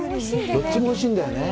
どっちもおいしいんだよね。